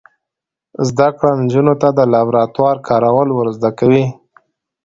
زده کړه نجونو ته د لابراتوار کارول ور زده کوي.